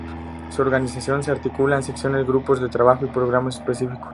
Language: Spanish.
Su organización se articula en secciones, grupos de trabajo y programas específicos.